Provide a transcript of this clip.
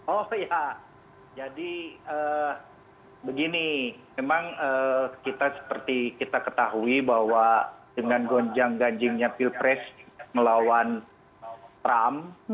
oh iya jadi begini memang kita seperti kita ketahui bahwa dengan gonjang ganjingnya pilpres melawan trump